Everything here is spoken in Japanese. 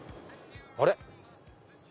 あれ？